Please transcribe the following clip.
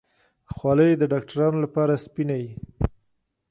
خولۍ د ډاکترانو لپاره سپینه وي.